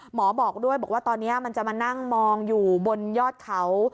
หมอบอกด้วยบอกว่าตอนนี้มันจะมานั่งมองอยู่บนยอดเขา